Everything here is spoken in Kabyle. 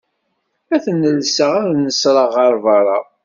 Ad ten-lseɣ ad nesreɣ ɣer berra.